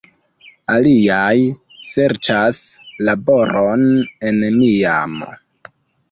Aliaj serĉas laboron en Miamo.